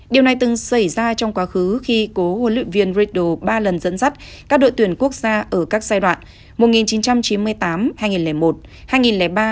điều này từng xảy ra trong quá khứ khi cố huấn luyện viên riddle ba lần dẫn dắt các đội tuyển quốc gia ở các giai đoạn